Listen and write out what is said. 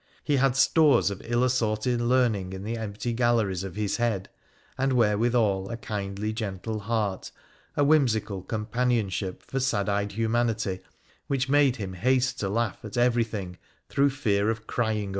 He had stores of ill assorted learning in the empty galleries of his head, and wherewithal a kindly gentle heart, a whimsical companionship for sad eyed humanity which made him haste to laugh at everything through fear of crying over it.